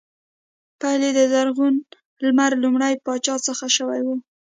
پیل یې د زرغون لمر لومړي پاچا څخه شوی و